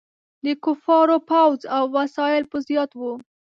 د کفارو فوځ او وسایل به زیات وو.